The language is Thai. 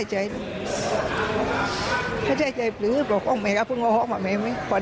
หลังที่โปรตังค์แม่ด้วยให้มาครับโกรธ